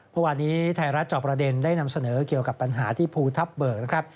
เมื่อวานนี้ไทยรัฐจอบประเด็นได้นำเสนอเกี่ยวกับปัญหาที่ภูทับเบิกนะครับ